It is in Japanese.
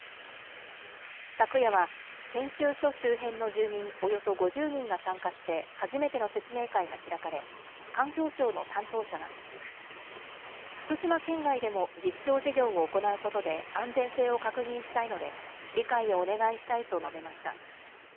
昨夜は、研修所周辺の住民およそ５０人が参加して初めての説明会が開かれ、環境省の担当者が、福島県外でも実証事業を行うことで安全性を確認したいので、理解をお願いしたいと述べました。